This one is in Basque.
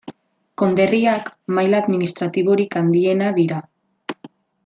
Konderriak maila administratiborik handiena dira.